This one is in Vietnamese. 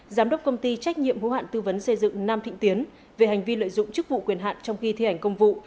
giám đốc công ty trách nhiệm hữu hạn tư vấn xây dựng nam thịnh tiến về hành vi lợi dụng chức vụ quyền hạn trong khi thi hành công vụ